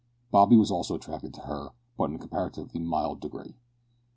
Bobby was also attracted by her, but in a comparatively mild degree.